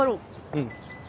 うん。